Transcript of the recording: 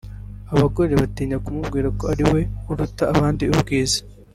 ”Abagore batinya kumubwira ko ari we uruta abandi ubwiza